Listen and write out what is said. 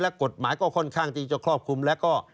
และกฎหมายก็ค่อนข้างที่จะครอบคลุมแล้วก็